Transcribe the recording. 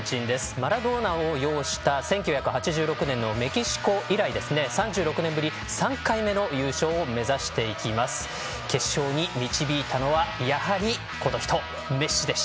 マラドーナを擁した１９８６年のメキシコ以来３６年ぶり３回目の優勝を目指します。